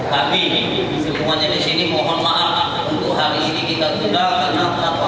habis semuanya di sini mohon maaf untuk hari ini kita tunda karena penatwa